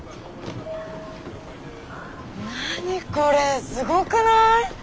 何これすごくない？